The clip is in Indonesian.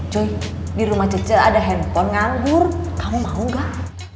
cuy dirumah cece ada handphone nganggur kamu mau gak